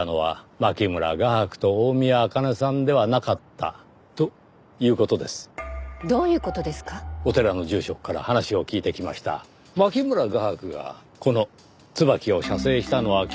牧村画伯がこの椿を写生したのは去年の３月以前。